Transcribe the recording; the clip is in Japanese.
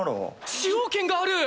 使用権がある！